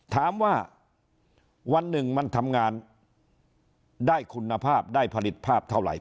ถามว่าวันหนึ่งมันทำงานได้คุณภาพได้ผลิตภาพเท่าไหร่